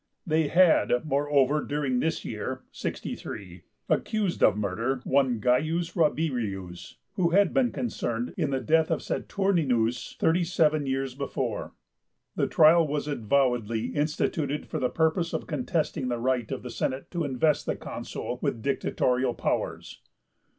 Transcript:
They had, moreover, during this year (63) accused of murder one C. Rabirius, who had been concerned in the death of Saturninus thirty seven years before. The trial was avowedly instituted for the purpose of contesting the right of the Senate to invest the Consul with dictatorial powers.